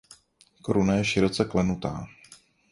Koruna je široce klenutá.